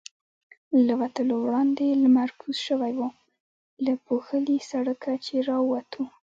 له وتلو وړاندې لمر کوز شوی و، له پوښلي سړکه چې را ووتو.